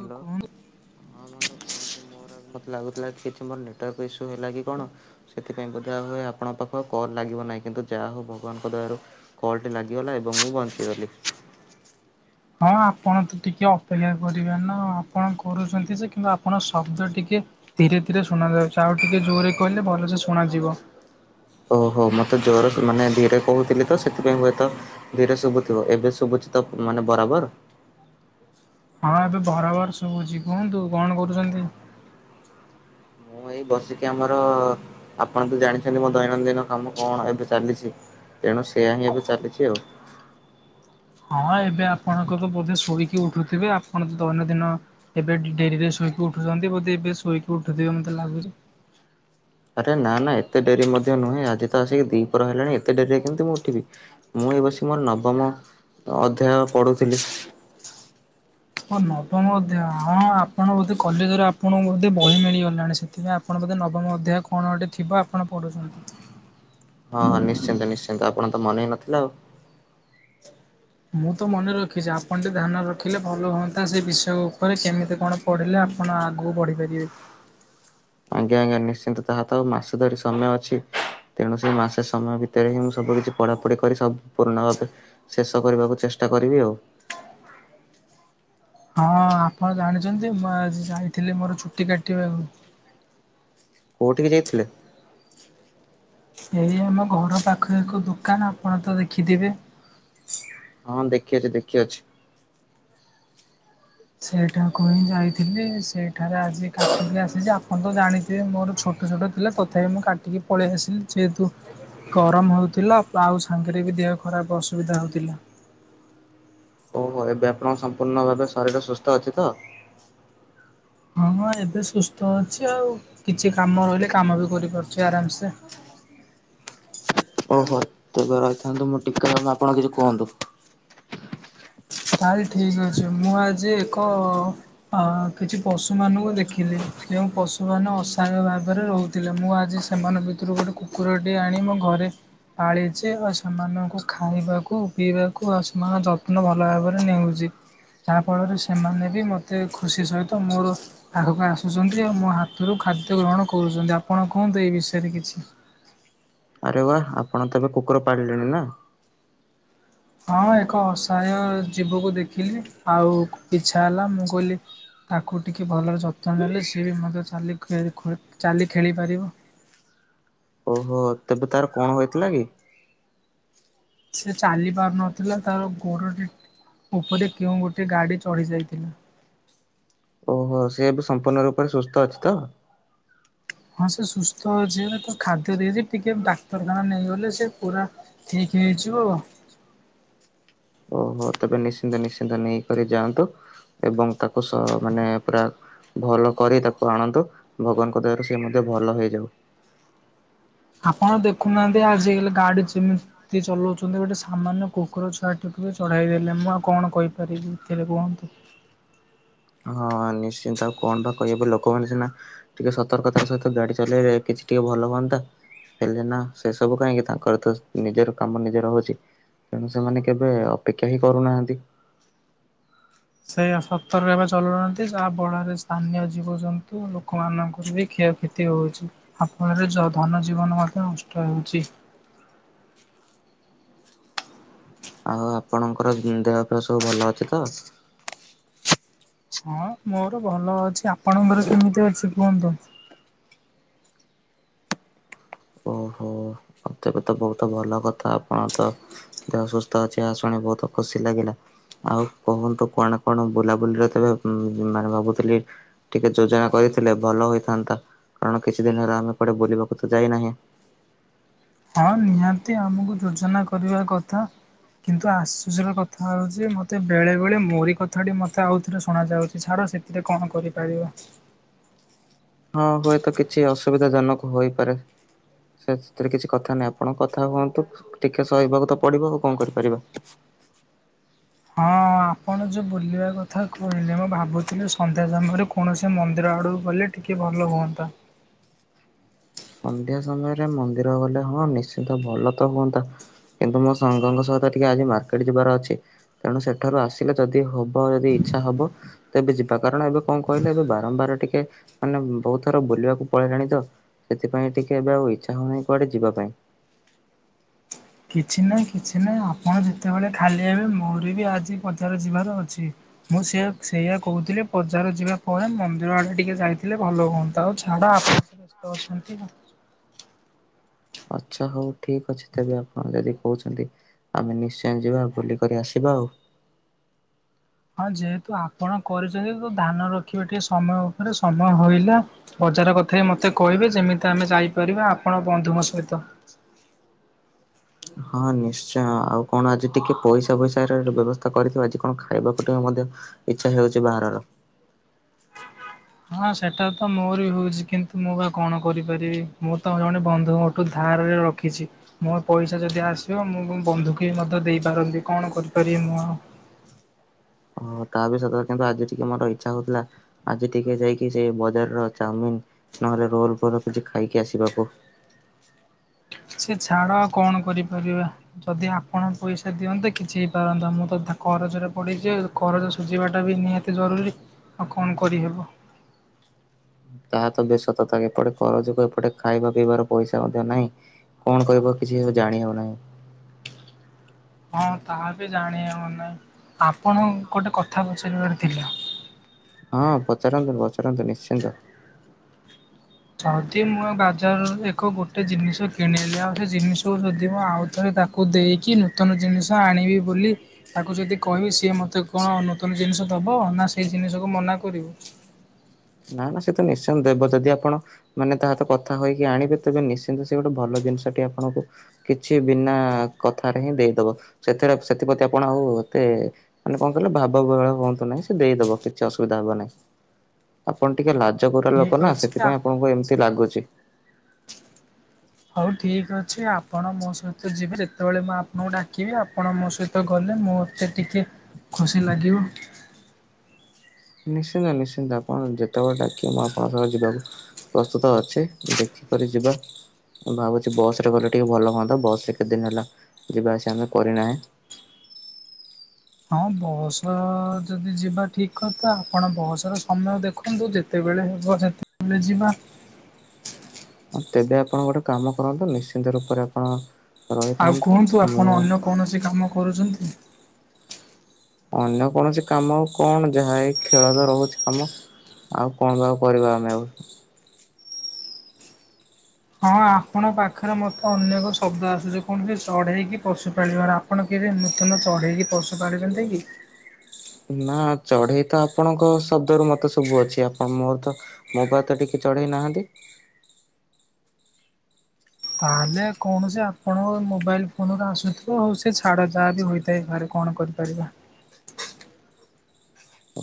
ହଁ କୁହନ୍ତୁ। ହଁ ବନ୍ଧୁ କୁହନ୍ତୁ ମୋରଜ ମ ଲାଗଥିଲା କି ମୋର ନେଟୱାର୍କ ଇସ୍ୟୁ ହେଲା କି କଣ ସେଥିପାଇଁ ବୋଧେ ହୁଏ ଆପଣଙ୍କ ପାଖକୁ ଆଉ କଲ୍ ଲାଗିବ ନାହିଁ କିନ୍ତୁ ଯାହା ହଉ ଭଗବାନଙ୍କ ଦୟାରୁ କଲଟି ଲାଗିଗଲା ଏବଂ ମୁଁ ବଞ୍ଚିଗଲି। ହଁ ଆପଣ ତ ଟିକେ ଅପେକ୍ଷା କରିବେ ନା ଆପଣ କରୁଚନ୍ତି ଯେ କିନ୍ତୁ ଆପଣ ଶବ୍ଦ ଟିକେ ଧୀରେ ଧୀରେ ଶୁଣ ଯାଉଚି ଆଉ ଟିକେ ଜୋରେ କହିଲେ ଭଲସେ ଶୁଣାଯିବ। ଓହୋ ମୋତେ ଜୋର ମାନେ ଧୀରେ କହୁଥିଲି ତ ସେଥିପାଇଁ ହୁଏତ ଧୀରେ ଶୁଭୁଥିବ ଏବେ ଶୁଭୁଛି ତ? ମାନେ ବରାବର। ହଁ ଏବେ ବରାବର ସବୁ ଅଛି । କୁହନ୍ତୁ କଣ କରୁଛନ୍ତି? ମୁଁ ଏଇ ବସିକି ଆମର ଆପଣ ତ ଜାଣିଛନ୍ତି ମୋ ଦୈନନ୍ଦିନ କାମ କଣ ଏବେ ଚାଲିଚି। ତେଣୁ ସେୟଆ ହିଁ ଏବେ ଚାଲିଚି ଆଉ। ହଁ ଏବେ ଆପଣଙ୍କ ତ ବୋଧେ ଶୋଇକି ଉଠୁଥିବେ, ଆପଣ ତ ଦୈନନ୍ଦିନ ଏବେ ଡେରିରେ ଶୋଇକି ଉଠୁଚନ୍ତି ବୋଧେ ଏବେ ଶୋଇକି ଉଠୁଥିବେ ମତେ ଲାଗୁଚି। [inaudible] ଆରେ ନା ନା ଏତେ ଡେରି ମଧ୍ୟ ନୁହେଁ ଆଜି ତ ଆସିକି ଦିପହର ହେଲାଣି ଏତେ ଡେରିରେ କେମତି ମୁଁ ଉଠିବି ମୁଁ ଏ ବସ ମୋର ନବମ ଅଧ୍ୟାୟ ପଢୁଥିଲି। ହଁ ନବମ ଅଧ୍ୟାୟ ହଁ ଆପଣ ବୋଧେ କଲେଜରେ ଆପଣଙ୍କୁ ବୋଧେ ବହି ମିଳିଗଲାଣି ସେଥିପାଇଁ ଆପଣ ବୋଧେ ନବମ ଅଧ୍ୟାୟ କଣଗୋଟେ ଥିବ ଆପଣ ପଢୁଚନ୍ତି। ହଁ ହଁ ନିଶ୍ଚିନ୍ତ ନିଶ୍ଚିନ୍ତ ଆପଣ ତ ମନେ ହଇ ନଥିଲେ ଆଉ। ମୁଁ ତ ମନେ ରଖିଚି, ଆପଣ ଟେ ଧ୍ୟାନ ରଖିଲେ ଭଲ ହୁଅନ୍ତା ସେ ବିଷୟ ଉପରେ କେମିତି କଣ ପଢିଲେ ଆପଣ ଆଗକୁ ବଢିପାରିବେ। [unintelligible] ଆଜ୍ଞା ଆଜ୍ଞା। ନିଶ୍ଚିନ୍ତ ତାହା ତ ଆଉ ମାସ ଧରି ସମୟ ଅଛି। ତେଣୁ ସେଇ ମାସେ ସମୟ ଭିତରେ ହିଁ ମୁଁ ସବୁ କିଛି ପଢାପଢି କରି ସବୁ ପୁରୁଣ ଭାବେ ଶେଷ କରିବାକୁ ଚେଷ୍ଟା ଷ୍ଟା କରିବି ଆଉ। ହଁ ଆପଣ ଜାଣିଛନ୍ତି ମୁଁ ଆଜି ଯାଇଥିଲି ମୋର ଛୁଟି କାଟିବାକୁ କୋଉଠିିକ ଯାଇଥିଲୁ? ଏଇ ଆମ ଘର ପାଖରେ ଏକ ଦୋକାନ ଆପଣ ତ ଦେଖିଥିବେ? ହଁ ଦେଖିଅଛି ଦେଖି ଅଛି। ସେଇଠାକୁ ହିଁ ଯାଇଥିଲି ସେଇଠାରେ ଆଜି କାଟିକି ଆସିଛି। ଆପଣ ତ ଜାଣିଥିବେ ମୋର ଛୋଟ ଛୋଟ ଥିଲା, ତଥାପି ମୁଁ କାଟିକି ପଳେଇ ଆସିଲି ଯେହେତୁ! ଗରମ ହଉଥିଲା ଆଉ ସାଙ୍ଗରେ ବି ଦେହ ଖରାପ ଅସୁବିଧା ହଉଥିଲା। ଓହୋ ଏ ବ୍ୟାପଣ ସମ୍ପୂର୍ଣ୍ଣ ଭାବେ ଶରୀର ସୁସ୍ଥ ଅଛି ତ? ହଁ ଏବେ ସୁସ୍ଥ ଅଛି ଆଉ କିଛି କାମ ରହିଲେ, କାମ ବି କରିପାରୁଛି ଆରାମସେ। [unintelligible] ତବେ ରହିଥାନ୍ତୁ ମୁଁ ଟିକେ ନଉନ ଆପଣ କିଛି କୁହନ୍ତୁ। ତାହେଲେ ଠିକ ଅଛି, ମୁଁ ଆଜି ଏକ କିଛି ପଶୁ ମାନଙ୍କୁ ଦେଖିଲି। ଯେଉଁ ପଶୁମାନେ ଅସହାୟ ଭାବରେ ରହୁଥିଲେ ମୁଁ ଆଜି ସେମାନଙ୍କ ଭିତରୁ ଗୋଟେ କୁକୁରଟିଏ ଆଣି ମୋ ଘରେ ପାଳିଛି ଆଉ ସେମାନଙ୍କୁ ଖାଇବାକୁ ପିଇବାକୁ, ଆଉ ସେମାନଙ୍କ ଯତ୍ନ ଭଲ ଭାବରେ ନେଉଛି। ଯାହାଫଳରେ ସେମାନେ ବି ମତେ ଖୁସି ସହିତ ମୋର ଆଗକୁ ଆସୁଛନ୍ତି ଆଉ ମୋ ହାତରୁ ଖା ଖାଦ୍ୟ ଗ୍ରହଣ କରୁଛନ୍ତି, ଆପଣ କୁହନ୍ତୁ ଏଇ ବିଷୟରେ କିଛି? ଆରେ ବାୱ ଆପଣ ତ ଏବେ କୁକୁର ପାଳିଲେଣି ନା। ହଁ ଏକ ଅସହାୟ ଜୀବକୁ ଦେଖିଲି ଆଉ ଇଚ୍ଛା ହେଲା, ମୁଁ କହିଲି ତାକୁ କୁ ଟିକିଏ ଭଲର ଯତ୍ନ ନେଲେ ସିଏ ବି ମଧ୍ୟ ଚାଲି ଚାଲି ଖେଳି ପାରିବ। ଓହୋ ତେବେ ତାର କଣ ହେଥିଲା କି? ସେ ଚାଲି ପାରୁନଥିଲା ତାର ଗୋଡ ଟିକ ଉପରେ କେଉଁ ଗୋଟେ ଗାଡି ଚଢି ଯାଇଥିଲା। ଓହୋ ସେ ବି ସମ୍ପୂର୍ଣ୍ଣ ରୂପରେ ସୁସ୍ଥ ଅଛି ତ? ହଁ ସେ ସୁସ୍ଥ ଅଛି ତ ଖାଦ୍ୟ ଦେଇଛି, ଟିକେ ଡାକ୍ତରଖାନା ନେଇଗଲେ ସେ ପୁରା ଠିକ। ହେଇଯିବ। ହଁ। ନେଇକ ଯାଆନ୍ତୁ ଏବଂ ତାକୁ ସହ ମାନେ ପୁରା ଭଲ କରି ତାକୁ ଆଣନ୍ତୁ ଭଗବାନଙ୍କ ଦୟାରୁ ସେ ମଧ୍ୟ ଭଲ ହେଇଯାଉ। ଆପଣ ଦେଖୁନାହାନ୍ତି, ଆଜିକାଲି ଗାଡି ଯେମିତି ଚଲାଉଛନ୍ତି ଗୋଟେ ସାମାନ୍ୟ କୁକୁର ଛୁଆ ଟକୁ ଚଢେଇ ଦେଲେ ମୁଁ ଆଉ କଣ କହିପାରିବି ଏଥିରେ କୁହନ୍ତୁ। ହ [unintelligible] ହଁ ନିଶ୍ଚିନ୍ତ ଆଉ କଣ ବା କହିବ ଲୋକମାନେ ସିନା ଟିକେ ସତର୍କତାର ସହିତ ଗାଡି ଚଲେଇଲେ କିଛି ଟିକେ ଭଲ ହୁଅନ୍ତା। ହେଲେ ନା ସେ ସବୁ କାହିଁକି ତାଙ୍କର ତ ନିଜର କାମ ନିଜର ହଉଛି। ତେଣୁ ସେମାନେ କେବେ ଅପେକ୍ଷା ହିଁ କରୁନାହାନ୍ତି। ସେଇ ସତରବେ ଚଲୁନାହାନ୍ତି। ଯାହା ବଳରେ ସ୍ଥାନୀୟ ଜୀବଜନ୍ତୁ ଲୋକମାନଙ୍କର ବି ଖଷ କ୍ଷତି ହଉଛିହା ଫଳରେ ଧନ ଜୀବନ ମଧ୍ୟ ନଷ୍ଟ ହେଉଛି। [unintelligible] ଆଉ ଆପଣଙ୍କର ଦେହ ଫେହ ସବୁ ଭଲ ଅଛି ତ? ହଁ ମୋର ଭଲ ଅଛି ଆପଣଙ୍କର କେମିତି ଅଛି କୁହନ୍ତୁ। ଓହୋ। ମତେ ବି ତ ବହୁତ ଭଲ କଥା ଆପଣ ତ ଯହାସସ୍ଥ ଅଛି ଶୁଣି ବହୁତ ଖୁସି ଲାଗିଲା। ଆଉ କୁହନ୍ତୁ କଣ କଣ ବୁଲାବୁଲିରେ ତବେ ମାନେ ଭାବୁଥିଲି ଟିକେ ଯୋଜନା କରି ଥିଲେ ଭଲ ହୋଇଥାନ୍ତା କାରଣ କିଛି ଦିନ ହେଲା ଆମେ କୁଆଡେ ବୁଲିବାକୁ ତ ଯାଇନାହିଁ। ହଁ ନିହାତି ଆମକୁ ଯୋଜନା କରିବା କଥା। କିନ୍ତୁ ଆଶ୍ଚର କଥା ହଉଛି ମତେ ବେଳେ ବେଳେ ମୋରି କଥାଟି ମତେ ଆଉ ଥରେ ଶୁଣ ଯାଉଛି ଛାଡ। ସେଥିରେ କଣ କରିପାରିବ। ହଁ ହୁଏତ କିଛି ଅସୁବିଧା ଜନକ ହୋଇପାରେ। ସେ ସେଥିରେ କିଛି କଥା ନାହିଁ ଆପଣ କଥା ହୁଅନ୍ତୁ। ଟିକେ ସହିବାକୁ ତ ପଡିବ ଆଉ କଣ କରିପାରିବା। [unintelligible] ହଁ ଆପଣ ଯେଉଁ ବୁଲିବା କଥା କହିଲେ ମୁଁ ଭାବୁଥିଲି ସନ୍ଧ୍ୟା ସମୟରେ କୌଣସି ମନ୍ଦିର ଆଡ଼କୁ ଗଲେ ଟିକେ-। ଭଲ ହୁଅନ୍ତା। [unintelligible] ସନ୍ଧ୍ୟା ସମୟରେ ମନ୍ଦିର ଗଲେ ହଁ ନିଶ୍ଚିନ୍ତ ଭଲ ତ ହୁଅନ୍ତା। କିନ୍ତୁ ମୋ ସାଙ୍ଗଙ୍କ ସହିତ ଟିକେ ଆଜି ମାର୍କେଟ ଯିବାର ଅଛି। ତେଣୁ ସେଠାରୁ ଆସିଲେ ଯଦି ହବ ଯଦି- ଇଚ୍ଛା ହବ ତ ଏବେ ଯିବା। କାରଣ ଏବେ କଣ କହିଲେ ଏବେ ବାରମ୍ବାର ଟିକେ ମାନେ ବହୁତ ଥର ବୁଲିବାକୁ ପଳେଇ ତ ସେଥିପାଇଁ ଟିକେ ଏବେ ଆଉ ଇଚ୍ଛା ହଉନି କୁଆଡେ ଯିବା ପାଇଁ। କିଛି ନାହିଁ କିଛି ନାହିଁ ଆପଣ ଯେତେବେଳେ ଖାଲି ହେବେ ମୋର ବି ଆଜି ବଜାର ଯିବାର ଅଛି। ମୁଁ ସେଇଆ ସେଇଆା କହୁଥିଲି ବଜାର ଯିବା ପରେ ମନ୍ଦିର ଆଡ଼େ ଟିକେ ଯାଇଥିଲେ ଭଲ ହୁଅନ୍ତା। ଆଉ ଛାଡ଼ ବ୍ୟସ୍ତ ଅଛନ୍ତି ନା ହ [unintelligible] ଆଚ୍ଛା ହଉ ଠିକ ଅଛି ତେବେ ଆପଣ ଯଦି କହୁଛନ୍ତି ଆମେ ନିଶ୍ଚୟ ଯିବା ବୁଲିକରି ଆସିବା ଆଉ। ହଁ ଯେହେତୁ ଆପଣ କରିଛନ୍ତି, ତ ଧାନ ରଖିବାେ ଟିକେ ସମୟ ଉପରେ ସମୟ ହଇଲା ବଜାର କଥା। ଏଥିରେ ମୋତେ କହିବେ ଯେମିତି ଆମେ ଯାଇପାରିବା ଆପଣ ବନ୍ଧୁଙ୍କ ସହିତ। [unintelligible] ହଁ ନିଶ୍ଚୟ, ଆଉ କଣ ଆଜି ଟିକେ ପଇସା ଫଇସା ବ୍ୟବସ୍ଥା କରିଥିବ। ଆଜି କଣ ଖାଇବାକୁ ଟିକେ ଇଚ୍ଛା ହେଉଛି ବାହାରର। ହଁ ସେଟା ତ ମୋର ବି ହଉଛି । କିନ୍ତୁ ମୁଁ ବା କଣ କରିପାରିବି? ମୁଁ ତ ଜଣେ ବନ୍ଧୁ ମୋଠୁ ଧାର ରଖିଛି ମୋ ପଇସା ଯଦି ଆସିବ ମୁଁ ବନ୍ଧୁକୁ ମଧ୍ୟ ଦେଇପାରନ୍ତି। କଣ କରିପାରିବି ମୁଁ ଆଉ? [unintelligible] ଓ ତା ବି ସତ। କିନ୍ତୁ ଆଜି ଟିକେ ମୋର ଇଚ୍ଛା ହଉଥିଲା ଆଜି ଟିକେ ଯାଇକି ସେ ବଜାର ର ଚାଉମିନ ନହେଲେ ରୋଲ ଫଲ କିଛି ଖାଇକି ଆସିବାକୁ। ସେ ଛାଡ କଣ କରିପାରିବା? ଯଦି ଆପଣ ପଇସା ଦିଅନ୍ତେ କିଛି ହେଇ ପାରନ୍ତା। ମୁଁ ତ କରଜରେ ପଡିଛି କରଜ ସୁଝିବାଟା ବି ନିହାତି ଜରୁରୀ ଆଉ କଣ କରିହେବ? [unintelligible] ତାହା ତ ବି ସତତା ଏପଟେ କର ଯୋଗୁ ଏପଟେ ଖାଇବା ପିଇବାର ପଇସା ମଧ୍ୟ ନାହିଁ କଣ କହିବ କିଛି ଜାଣି ହବ ନାହିଁ! ହଁ ତାହା ବି ଜାଣିହବ ନାହିଁ। ଆପଣ ଗୋଟେ କଥା ପଚାରିବାର ଥିଲା। ହଁ ପଚାରନ୍ତୁ, ପଚାରନ୍ତୁ ନିଶ୍ଚିନ୍ତ। ଯଦି ମୁଁ ବାଜାରରୁ ଏକ ଗୋଟେ ଜିନିଷ କିଣିଲି ଆଉ ସେ ଜିନିଷକୁ ଯଦି ମୁଁ ଆଉ ଥରେ ତାକୁ ଦେଇକି ନୂତନ ଜିନିଷ ଆଣିବି ବୋଲି ତାକୁ ଯଦି କହିବି ଯିଏ ମୋତେ କଣ ନୂତନ ଜିନିଷ ଦେବ। ନା ସେଇ ଜିନିଷକୁ ମନା କରିବୁ? ନା ନା ସେ ତ ନିଶ୍ଚିନ୍ତ ଦେବ । ଯଦି ଆପଣ ମାନେ ତାହା ସହିତ କଥା ହେକି ଆଣିବେ ତେବେ ନିଶ୍ଚିନ୍ତ ସେ ଗୋଟେ ଭଲ ଜିନିଷଟି ଆପଣଙ୍କୁ କିଛି ବିନା କଥାରେ ହିଁ ଦେଇଦବ ସେଥି ସେଥିପ୍ରତି ଆପଣ ଆଉ ମତେ ମାନେ କଣ କହିଲେ ଭାବ ବଳା ହୁହନ୍ତୁ ନାହିଁ। ସେ ଦେଇଦବ କିଛି ଅସୁବିଧା ହବ ନାହିଁ। ଆପଣ ଟିକେ ଲାଜ କରିବା ଲୋକ ଠିକ୍ ନା, ଅଛି ଆ ସେଥିପାଇଁ ଆପଣଙ୍କୁ ଏମିତି ଲାଗୁଛି। ହଉ ଠିକ ଅଛି ଆପଣ ମୋ ସହିତ ଯିବେ। ଯେତେବେଳେ ମୁଁ ଆପଣଙ୍କୁ ଡାକିବି ଆପଣ ମୋ ସହିତ ଗଲେ ମତେ ଟିକେ ଖୁସି ଲାଗିବ। ନିଶ୍ଚିନ୍ତ ନିଶ୍ଚିନ୍ତ ଆପଣ ଯେତେବେଳେ ଡାକିବେ ମୁଁ ଆପଣଙ୍କ ସହ ଯିବାକୁ ପ୍ରସ୍ତୁତ ଅଛି। ଦେଖ କି କରି ଯିବା? ମୁଁ ଭାବୁଛି ବସରେ ଗଲେ ଟିକେ ଭଲ ହୁଅନ୍ତା ।ବସରେ କେତେ ଦିନ ହେଲା ଯିବା ଆସିବା ଆମେ କରିନାହିଁ। [unintelligible] ହଁ ବସ ଯଦି ଯିବା ଠିକ କଥା ଆପଣ ବସ ର ସମୟ ଦେଖନ୍ତୁ ଯେତେ ବେଳେ ହବ ସେତେବେଳେ ଯିବା। ତେବେ ଆପଣ ଗୋଟେ କାମ କରନ୍ତୁ, ନିଶ୍ଚିନ୍ତ ରୂପରେ ଆପଣ ଆଉ ରହିଥାନ୍ତୁ କୁହନ୍ତୁ ଆପଣ ମୁଁ ଅନ୍ୟ କୌଣସି କାମ କରୁଛନ୍ତି? ଅନ୍ୟ କୌଣସି କାମ ଆଉ କଣ ଯାହା ଏଇ ଖେଳ ତ ରହୁଛି କାମ। ଆଉ କଣ ବା କରିବା ଆମେ ଆଉ ହଁ, ଆପଣଙ୍କ ପାଖରେ ମତେ ଅନେକ ଶବ୍ଦ ଆସୁଛି । କୌଣସି ଚଢେଇକି ପଶୁପାଳିବାର ଆପଣ କେ ନୂତନ ଚଢେଇକି ପଶୁ ପାଳିଛନ୍ତି କି? ନା ଚଢେଇ ତ ଆପଣଙ୍କ ଶବ୍ଦରୁ ମତେ ଶୁଭୁଅଛି । ଆପଣ ମୋର ତ ମୋ ପା ତ ଟିକେ ଚଢେଇ ନାହାନ୍ତି । [unintelligible] ତାହେଲେ କୌଣସି ଆପଣଙ୍କ ମୋବାଇଲ ଫୋନରୁ ଆସୁଥିବ ଆଉ। ସେ ଛାଡ଼ ଯାହା ବି ହୋଇଥାଇ ପରେ। କଣ କରିପାରିବାହ୍?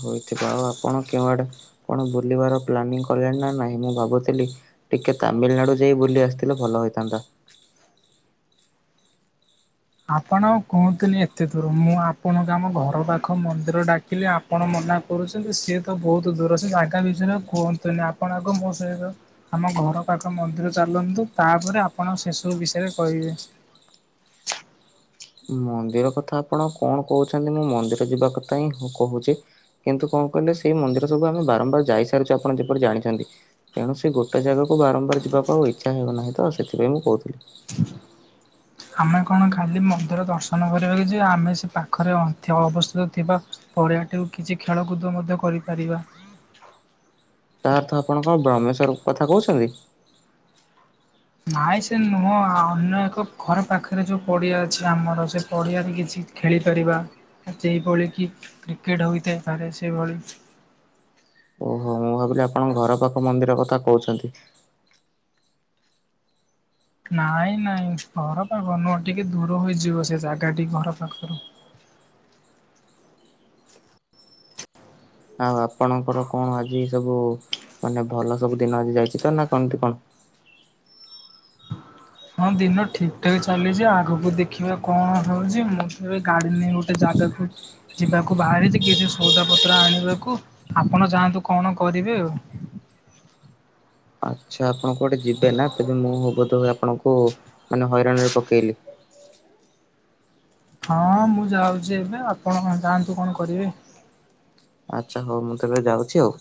ହୋଇଥିବ। ଆଉ ଆପଣ କେଉଁଆଡେ କଣ ବୁଲିବାର ପ୍ଲାନିଂ କଲେଣି ନା ନାହିଁ? ମୁଁ ଭାବୁଥିଲି ଟିକେ ତାମିଲନାଡୁ ଯାଇ ବୁଲି ଆସିଥିଲେ ଭଲ ହୋଇଥାନ୍ତା। ଆପଣ ଆଉ କୁହଁତୁନି, ଏତେ ଦୂର ମୁଁ ଆପଣକଆମ ଘର ପାଖ ମନ୍ଦିର ଡାକିଲି ଆପଣ ମ ନା କରୁଚନ୍ତି, ସିଏତ ବହୁତ ଦୂର ସେ ଆଗାମୀ ଜିଁନ କୁହନ୍ତୁନି! ଆପଣ ଆଗ ମୋ ସହିତ ଆମ ଘ୍ ଘର ପାଖ ମନ୍ଦିର ଚାଲନ୍ତୁ ତା ପରେ ଆପଣ ସେସବୁ ବିଷୟରେ କହିବେ। ମନ୍ଦିର କଥା ଆପଣ କଣ କହୁଛନ୍ତି? ମୁଁ ମନ୍ଦିର ଯିବା କଥା ହିଁ କହୁଛି। କିନ୍ତୁ କଣ ମୁଁ କହିଲ ସେ ମନ୍ଦିର ସବୁ ଆମେ ବାରମ୍ବାର ଯାଇ ସାରିଛୁ। ଆପଣ ଯେପରି ଜାଣିଛନ୍ତି। ତେଣୁ ସେ ଗୋଟେ ଜାଗାକୁ ବାରମ୍ବାର ଯିବାକୁ ଆଉ ଇଚ୍ଛା ହେଉ ନାହିଁ ତ, ସେଥିପାଇଁ ମୁଁ କହୁଥିଲି। ଆମେ କଣ ଖାଲି ମନ୍ଦିର ଦର୍ଶନ କରିବାକୁ ଯିବା? ଆମେ ସେ ପାଖରେ ଅନ୍ଥ୍ୟ ଅବସ୍ଥିତ ଥିବା, ପୌ ଏହାଠିକୁ କିଛି ଖେଳକୁଦ ମଧ୍ୟ କରିପାରିବା। ତା ଅର୍ଥ ଆପଣ କଁ! ବ୍ରାହ୍ମେଶ୍ୱରକ କଥା କହୁଛନ୍ତି? ନାଇ ସେ ନୁହଁ, ଅନ୍ୟ ଏକ ଘର ପାଖରେ ଯୋଉ ପଡିଆ ଅଛି। ଆମର ସେ ପଡିଆରେ କିଛି ଖେଳିପାରିବା। ଯେଇଭଳିକି, କ୍ରିକେଟ୍ ହୋଇଥାଇପାରେ ସେହିଭଳି। ଓହୋ! ମୁଁ ଭାବିଲି ଆପଣଙ୍କ ଘର ପାଖ ମନ୍ଦିର କଥା କହୁଛନ୍ତି। ନାଇଁ, ନାଇଁ ଘର ପାଖ ନୁହଁ। ଟିକେ ଦୂର ହୋଇଯିବ ସେ ଜାଗାଟି ଘର ପାଖରୁ। ଆଉ ଆପଣଙ୍କର କଣ ଆଜି, ସବୁ ଉ ମାନେ ଭଲ ସବୁ ଦିନ ଆଜି ଯାଇଛି ତ ନା କେମିତି କଣ? ହଁ ଦିନ ଠିକ୍ ଠାକ୍ ଚାଲିଚି ଆଗକୁ ଦେଖିବା କଣ ହଉଛି? ମୁଁ ତ ଏବେ ଗାଡି ନେଇ ଗୁଟେ ଯା ଦେଖୁ। ଯିବାକୁ ବାହାରିଛି କିଛି ସଉଦାପତ୍ର ଆଣିବାକୁ। ଆପଣ ଯାଆନ୍ତୁ, କଣ କରିବେ ଆଉ? ଆଚ୍ଛା, ଆପଣ କୁଆଡ଼େ ଯିବେ ନା? ତେବେ ମୁଁ ମ ବୋଧ ହୁଏ ଆପ୍ ପଣଙ୍କୁ ମାନେ ହଇରାଣରେ ପକେଇଲି! ହଁ, ମୁଁ ଯାଉଚି ଏବେ ଆପଣ ଯାଆନ୍ତୁ କଣ କରିବେ? ଆଚ୍ଛା, ହଉ ମୁଁ ତବେ ଯାଉଚି ଆଉ।